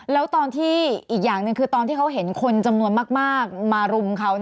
แล้วตอนที่อีกอย่างหนึ่งคือตอนที่เขาเห็นคนจำนวนมากมารุมเขา